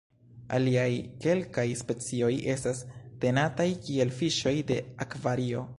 Aliaj kelkaj specioj estas tenataj kiel fiŝoj de akvario.